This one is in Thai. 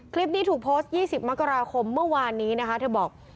คลิปนี้ถูกโพสต์๒๐มกราคมเมื่อวานนี้นะคะเธอบอก